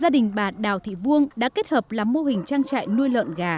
gia đình bà đào thị vuông đã kết hợp làm mô hình trang trại nuôi lợn gà